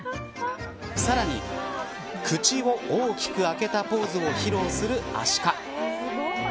さらに口を大きく開けたポーズを披露するアシカ。